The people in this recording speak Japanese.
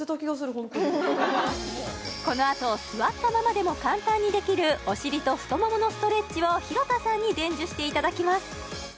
ホントにこのあと座ったままでも簡単にできるお尻と太もものストレッチを廣田さんに伝授していただきます